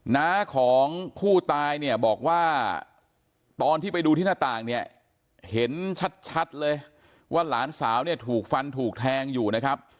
น้าของผู้ตายเนี่ยบอกว่าตอนที่ไปดูที่หน้าต่างเนี่ยเห็นชัดเลยว่าหลานสาวเนี่ยถูกฟันถูกแทงอยู่นะครับ